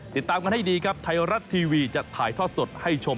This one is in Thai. ติดตามกันให้ดีครับไทยรัฐทีวีจะถ่ายทอดสดให้ชม